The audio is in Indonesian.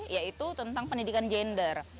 yaitu tentang pendidikan jahat